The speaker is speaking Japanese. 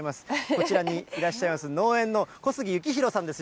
こちらにいらっしゃいます、農園の小杉幸大です。